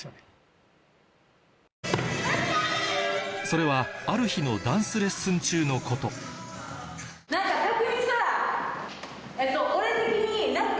それはある日のダンスレッスン中のこと俺的に。